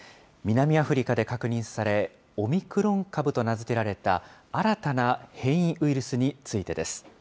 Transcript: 南アフリカで確認され、オミクロン株と名付けられた新たな変異ウイルスについてです。